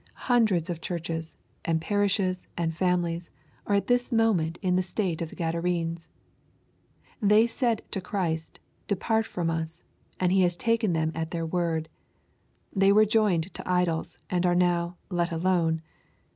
Hundreds of churches, and parishes, and families, are at this moment in the state of the Gadarenes. They said to Christ, ^^ Depart from us,'^ and He has taken them at their word. They were joined to idols, and are now " let alone."